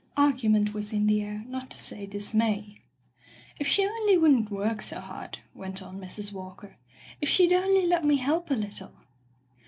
Argument was in the air, not to say dismay. " If she only wouldn't work so hard," went on Mrs. Walker. " If she'd only let me help a little!''